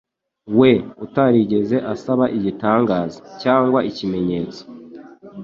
we utarigeze asaba igitangaza cyangwa ikimenyetso.